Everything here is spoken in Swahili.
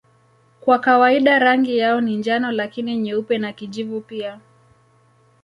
Kwa kawaida rangi yao ni njano lakini nyeupe na kijivu pia.